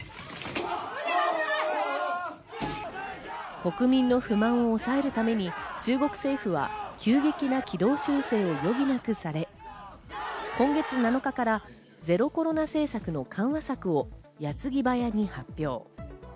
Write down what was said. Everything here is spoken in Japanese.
国民の不満を抑えるために中国政府は急激な軌道修正を余儀なくされ、今月７日からゼロコロナ政策の緩和策を矢継ぎ早に発表。